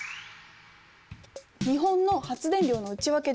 日本の発電量の内訳です。